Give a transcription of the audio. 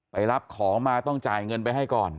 รับของมาต้องจ่ายเงินไปให้ก่อน